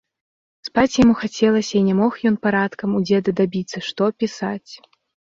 Спаць яму хацелася і не мог ён парадкам у дзеда дабіцца, што пісаць?